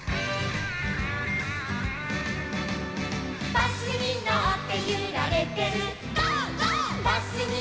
「バスにのってゆられてる」